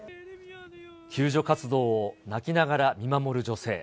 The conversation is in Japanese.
救助活動を泣きながら見守る女性。